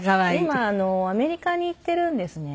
今アメリカに行っているんですね。